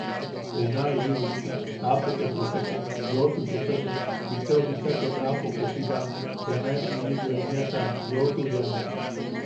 Juna ili uusi aapo ket useko yoʼotu chupeko bichau bicha ket aapo kettiba junaen ili yoemiata yoʼoturiane.